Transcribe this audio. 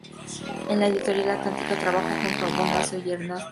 En la Editorial Atlántida trabajó junto a Bonasso y Ernesto Fossati.